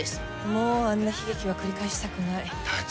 もうあんな悲劇は繰り返したくない。